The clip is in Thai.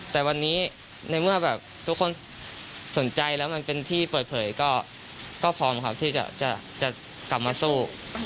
แต่วันนี้ในเมื่อแบบทุกคนสนใจแล้วมันเป็นที่เปิดเผยก็พร้อมครับที่จะกลับมาสู้